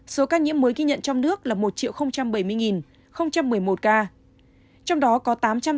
số ca nhiễm mới ghi nhận trong nước là một bảy mươi một mươi một ca